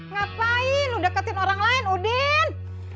ngapain udah deketin orang lain udin